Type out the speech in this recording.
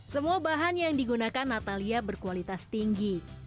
semua bahan yang digunakan natalia berkualitas tinggi